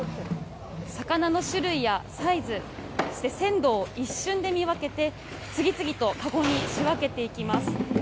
魚の種類やサイズ、そして鮮度を一瞬で見分けて、次々と籠に仕分けていきます。